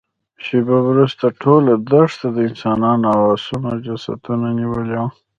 شېبه وروسته ټوله دښته د انسانانو او آسونو جسدونو نيولې وه.